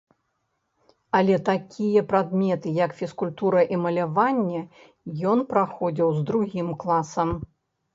Але такія прадметы як фізкультура і маляванне ён праходзіў з другім класам.